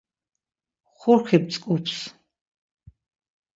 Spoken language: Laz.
Xurxi mtzǩups.